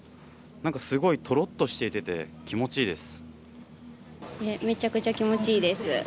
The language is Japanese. すごいとろっとしていて気持ちいいです。